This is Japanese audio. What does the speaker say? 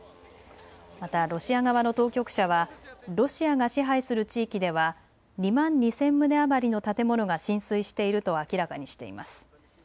またロシア側の当局者はロシアが支配する地域では２万２０００棟余りの建物が浸水していると明らかにしています。